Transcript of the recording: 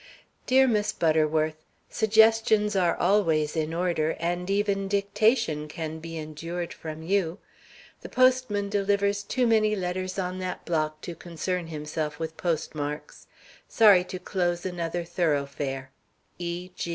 Dear Miss Butterworth: Suggestions are always in order, and even dictation can be endured from you. The postman delivers too many letters on that block to concern himself with postmarks. Sorry to close another thoroughfare. E.